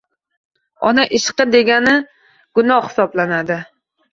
“Ona ishqi” degani gunoh hisoblanadi.